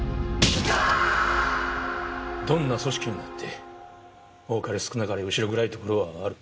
どんな組織にだって多かれ少なかれ後ろ暗いところはある。